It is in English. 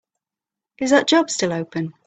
Is that job still open?